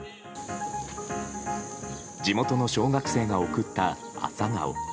地元の小学生が贈ったアサガオ。